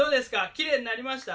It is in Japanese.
きれいになりました？